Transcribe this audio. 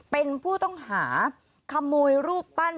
เป็นผู้ต้องหาขโมยรูปปั้น